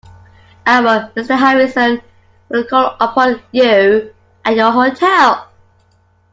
Our Mr Howison will call upon you at your hotel.